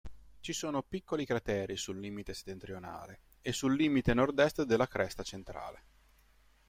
Ci sono piccoli crateri sul limite settentrionale, e sul limite nordest della cresta centrale.